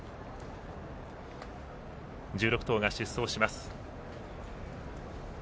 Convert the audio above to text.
１６頭が出走します。